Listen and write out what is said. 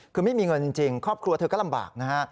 คือไม่มีเงินจริงครอบครัวเธอก็ลำบากนะฮะ